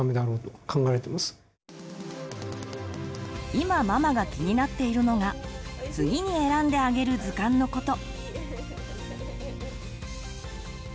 今ママが気になっているのが次に選んであげる図鑑のこと。